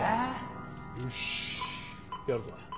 よっしやるぞ。